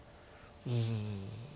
うん。